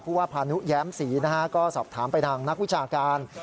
ว่าพานุแย้มศรีนะฮะก็สอบถามไปทางนักวิชาการ